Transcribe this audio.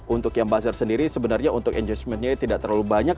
untuk yang buzzer sendiri sebenarnya untuk engagementnya tidak terlalu banyak